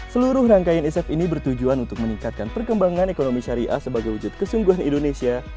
seluruh rangkaian isep ini bertujuan untuk meningkatkan perkembangan ekonomi syariah sebagai wujud kesungguhan indonesia